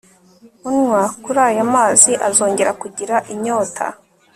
unywa kuri aya mazi azongera kugira inyota